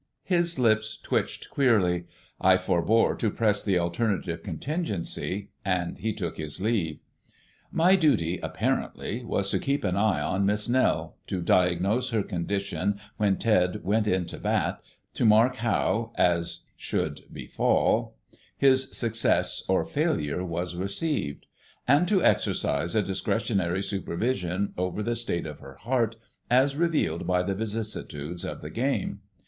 His lips twitched queerly; I forbore to press the alternative contingency, and he took his leave. My duty, apparently, was to keep an eye on Miss Nell, to diagnose her condition when Ted went in to bat, to mark how, as should befall, his success or failure was received, and to exercise a discretionary supervision over the state of her heart as revealed by the vicissitudes of the game.